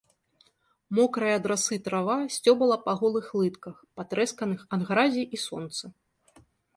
Мокрая ад расы трава сцёбала па голых лытках, патрэсканых ад гразі і сонца.